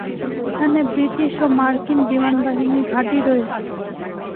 এখানে ব্রিটিশ ও মার্কিন বিমানবাহিনীর ঘাঁটি রয়েছে।